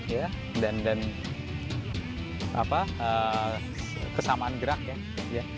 ya dan kesamaan gerak ya